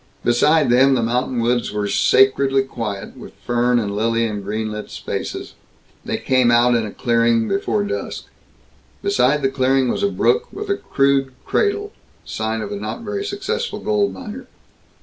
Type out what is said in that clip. Beside them, the mountain woods were sacredly quiet, with fern and lily and green lit spaces. They came out in a clearing, before dusk. Beside the clearing was a brook, with a crude cradle sign of a not very successful gold miner.